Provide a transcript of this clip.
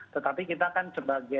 tetapi kita kan sebagai